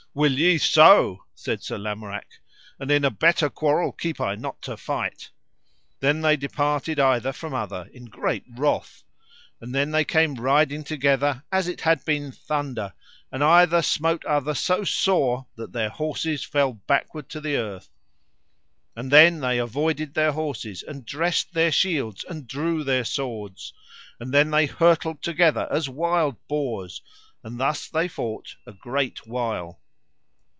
Will ye so? said Sir Lamorak, and in a better quarrel keep I not to fight. Then they departed either from other in great wrath. And then they came riding together as it had been thunder, and either smote other so sore that their horses fell backward to the earth. And then they avoided their horses, and dressed their shields, and drew their swords. And then they hurtled together as wild boars, and thus they fought a great while.